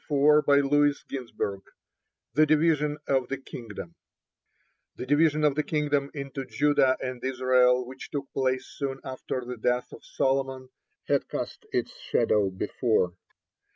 JUDAH AND ISRAEL THE DIVISION OF THE KINGDOM The division of the kingdom into Judah and Israel, which took place soon after the death of Solomon, had cast its shadow before.